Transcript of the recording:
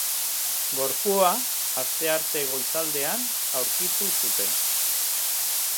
Gorpua astearte goizaldean aurkitu zuten.